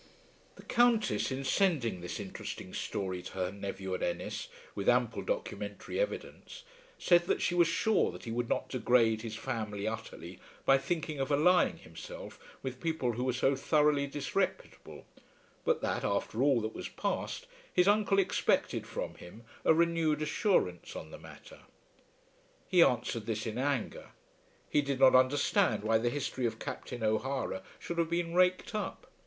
The Countess in sending this interesting story to her nephew at Ennis, with ample documentary evidence, said that she was sure that he would not degrade his family utterly by thinking of allying himself with people who were so thoroughly disreputable; but that, after all that was passed, his uncle expected from him a renewed assurance on the matter. He answered this in anger. He did not understand why the history of Captain O'Hara should have been raked up.